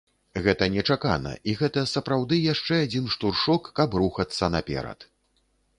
Гэта нечакана, і гэта сапраўды яшчэ адзін штуршок, каб рухацца наперад.